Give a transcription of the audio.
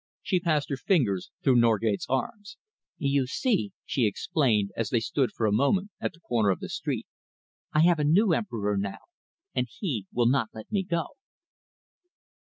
She passed her fingers through Norgate's arm. "You see," she explained, as they stood for a moment at the corner of the street, "I have a new emperor now, and he will not let me go."